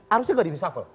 harusnya gak diresuffle